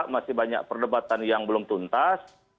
masih banyak perdebatan yang belum tuntas